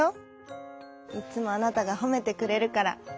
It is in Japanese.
いつもあなたがほめてくれるから」。